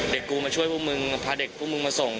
กูมาช่วยพวกมึงพาเด็กพวกมึงมาส่ง